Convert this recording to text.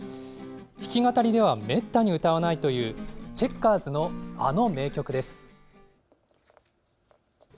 弾き語りではめったに歌わないというチェッカーズの、あの名曲です！